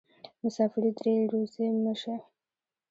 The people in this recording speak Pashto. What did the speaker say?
مسافري دې روزي مه شه.